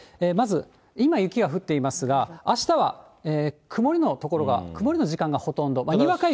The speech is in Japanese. まず今、雪が降っていますが、あしたは曇りの所が、曇りの時間がほとんど。